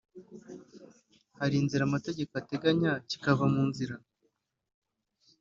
hari inzira amategeko ateganya kikava mu nzira